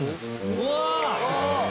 うわ！